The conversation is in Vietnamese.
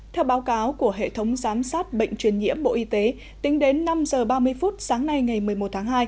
theo báo cáo của hệ thống giám sát bệnh truyền nhiễm bộ y tế tính đến năm h ba mươi phút sáng nay ngày một mươi một tháng hai